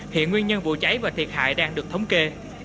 hiện nguyên nhân vụ cháy và thiệt hại đang được thống kê